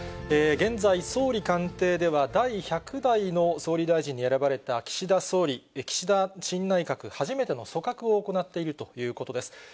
現在、総理官邸では第１００代の総理大臣に選ばれた岸田総理、岸田新内閣、初めての組閣を行っているということです。